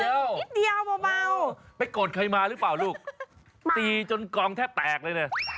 นิดเดียวเบาไปโกรธใครมาหรือเปล่าลูกตีจนกองแทบแตกเลยเนี่ย